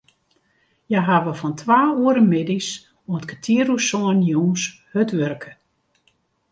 Hja hawwe fan twa oere middeis oant kertier oer sânen jûns hurd wurke.